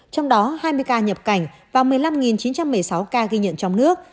trong đó hai mươi ca nhập cảnh và một mươi năm chín trăm một mươi sáu ca ghi nhận trong nước